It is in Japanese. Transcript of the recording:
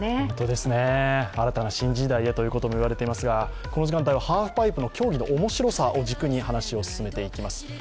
新たな新時代へということも言われていますがこの時間帯はハーフパイプの競技の面白さを軸に話を進めていきます。